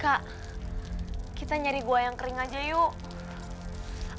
kak kita nyari gua yang kering aja yuk